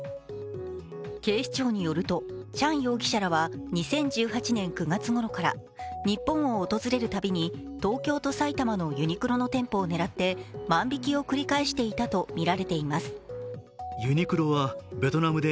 警視庁によると、チャン容疑者らは２０１８年９月ごろから日本を訪れるたびに東京と埼玉のユニクロの店舗を狙って万引きを繰り返していたとみられます。